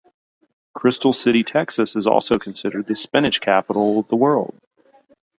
Crystal City Texas is also considered the Spinach Capital of the World.